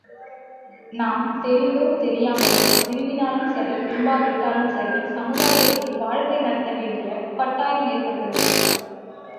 நாம் தெரிந்தோ, தெரியாமலோ விரும்பினாலும் சரி, விரும்பாவிட்டாலும் சரி சமுதாயத்தில் வாழ்க்கை நடத்த வேண்டிய கட்டாயம் ஏற்பட்டுள்ளது.